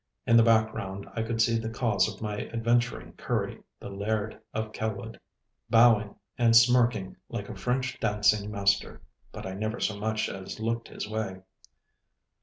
In the background I could see the cause of my adventuring Currie, the Laird of Kelwood—bowing and smirking like a French dancing master. But I never so much as looked his way.